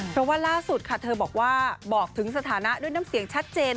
เพราะว่าล่าสุดค่ะเธอบอกว่าบอกถึงสถานะด้วยน้ำเสียงชัดเจน